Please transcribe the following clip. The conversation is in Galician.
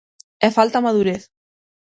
E falta madurez.